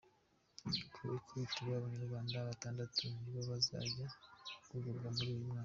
Ku ikubitiro Abanyarwanda batandatu ni bo bazajya guhugurwa muri uyu mwaka.